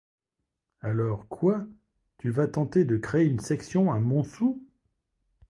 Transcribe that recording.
Alors, quoi? tu vas tenter de créer une section à Montsou ?